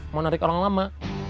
mau narik orang lama